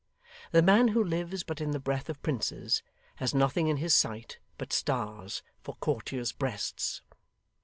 The man who lives but in the breath of princes, has nothing in his sight but stars for courtiers' breasts.